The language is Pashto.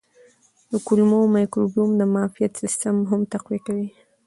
د کولمو مایکروبیوم د معافیت سیستم هم تقویه کوي.